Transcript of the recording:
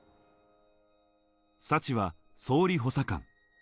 サチは総理補佐官。